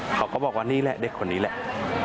เขาก็บอกว่านี่แหละเด็กคนนี้แหละ